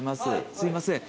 すいません。